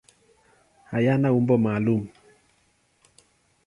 Hayana umbo maalum.